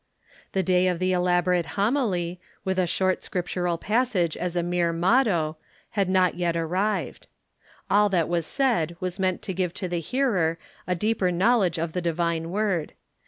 The day of the elaborate homily, with a short scriptural passage as a mere motto, had not yet arrived. All that was said was meant to give to the hearer a deeper knowledge of the divine word.